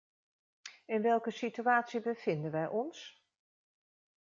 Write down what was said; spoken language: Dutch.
In welke situatie bevinden wij ons?